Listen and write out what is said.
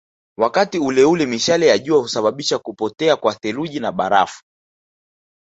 Wakati uleule mishale ya jua husababisha kupotea kwa theluji na barafu